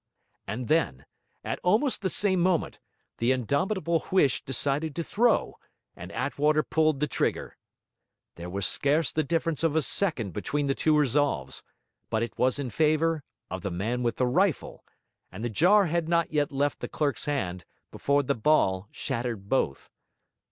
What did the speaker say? And then, at almost the same moment, the indomitable Huish decided to throw, and Attwater pulled the trigger. There was scarce the difference of a second between the two resolves, but it was in favour of the man with the rifle; and the jar had not yet left the clerk's hand, before the ball shattered both.